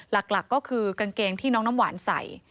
หลักก็คือกางเกงที่น้องน้ำหวานใส่